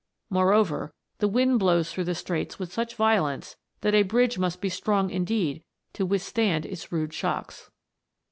Moreover, the wind blows through the Straits with such violence, that a bridge must be strong indeed to withstand its rude shocks.